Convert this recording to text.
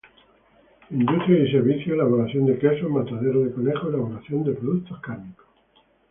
Industrias y servicios: elaboración de quesos, matadero de conejos, elaboración de productos cárnicos.